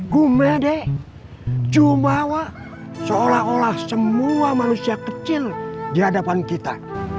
gume dek jumawa seolah olah semua manusia kecil di hadapan kita